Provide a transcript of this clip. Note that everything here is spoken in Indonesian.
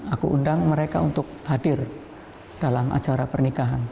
aku undang mereka untuk hadir dalam acara pernikahan